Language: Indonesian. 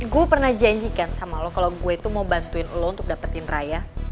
gue pernah janjikan sama lo kalau gue itu mau bantuin lo untuk dapetin raya